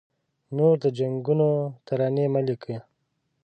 نور د جنګونو ترانې مه لیکه